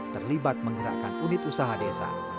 terlibat menggerakkan unit usaha desa